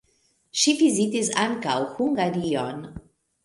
Li vizitis ankaŭ Hungarion.